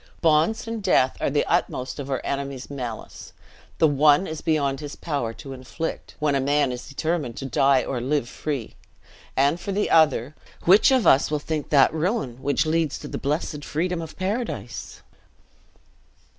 Bonds, and death, are the utmost of our enemy's malice; the one is beyond his power to inflict, when a man is determined to die or to live free; and for the other, which of us will think that ruin, which leads to the blessed freedom of paradise?"